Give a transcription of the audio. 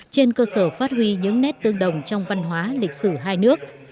trên cơ sở phát huy những nét tương đồng trong văn hóa lịch sử hai nước